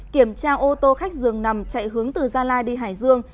kiểm tra ô tô khách dường nằm chạy hướng từ gia lai đi hải dương